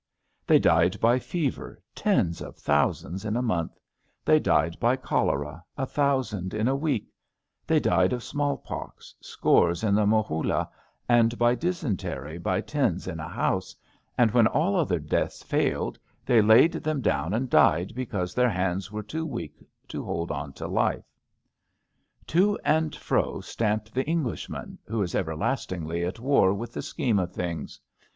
They died by fever, tens of thousands in a month ; they died by cholera, a thousand in a week; they died of smallpox, scores in the mohuUa, and by dysentery by tens in a house; and when all other deaths failed they laid them down and died because their hands were too weak to hold on to life. To and fro stamped the Englishman, who is everlastingly at war with the scheme of things.